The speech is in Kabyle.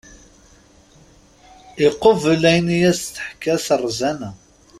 Iqubel ayen i as-d-teḥka s rẓana.